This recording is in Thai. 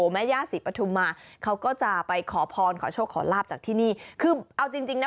ไมี้สิปทุมาเขาก็จะไปขอพรขอโชคขอลาบจากที่นี่คือเอาจริงนะ